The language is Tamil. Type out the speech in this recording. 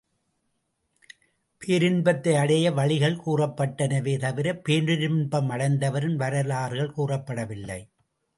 பேரின்பத்தை அடைய வழிகள் கூறப்பட்டனவே தவிரப் பேரின்பம் அடைந்தவர்களின் வரலாறுகள் கூறப்படவில்லை.